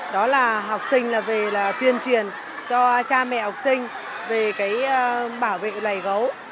đó là học sinh tuyên truyền cho cha mẹ học sinh về bảo vệ đầy gấu